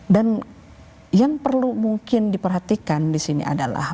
dan yang perlu mungkin diperhatikan di sini adalah